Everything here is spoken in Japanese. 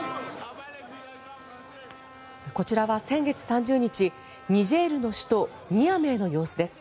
こちらは先月３０日ニジェールの首都ニアメーの様子です。